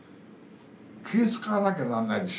気遣わなきゃなんないでしょ